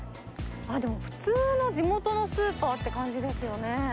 でも、普通の地元のスーパーって感じですよね。